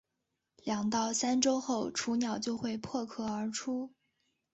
两到三周后雏鸟就会破壳而出。